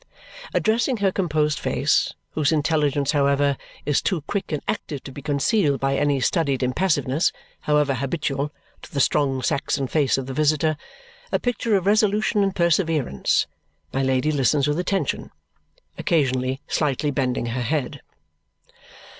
Addressing her composed face, whose intelligence, however, is too quick and active to be concealed by any studied impassiveness, however habitual, to the strong Saxon face of the visitor, a picture of resolution and perseverance, my Lady listens with attention, occasionally slightly bending her head.